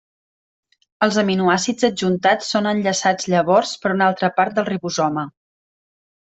Els aminoàcids adjuntats són enllaçats llavors per una altra part del ribosoma.